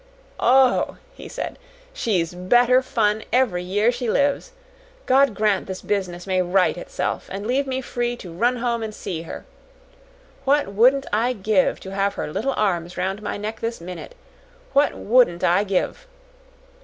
"Oh," he said, "she's better fun every year she lives. God grant this business may right itself and leave me free to run home and see her. What wouldn't I give to have her little arms round my neck this minute! What WOULDN'T I give!"